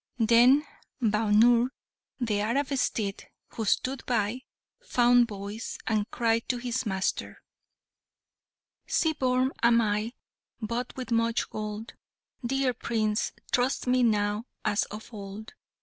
Then Bhaunr, the Arab steed, who stood by, found voice, and cried to his master, "Sea born am I, bought with much gold; Dear Prince! trust me now as of old.